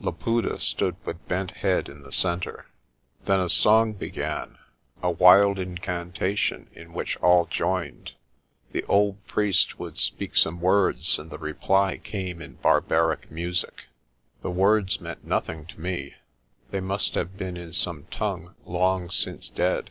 Laputa stood with bent head in the centre. Then a song began, a wild incantation in which all joined. The old priest would speak some words, and the reply came in barbaric music. The words meant nothing to me 5 they must have been in some tongue long since dead.